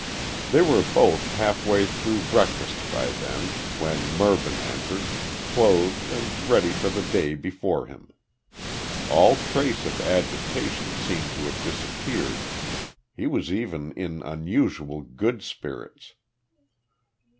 They were both halfway through breakfast by then, when Mervyn entered clothed and ready for the day before him. All trace of agitation seemed to have disappeared. He was even in unusual good spirits.